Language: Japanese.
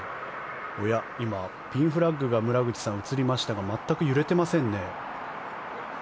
おや、ピンフラッグが映りましたが全く揺れてませんね。